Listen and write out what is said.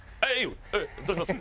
どうします？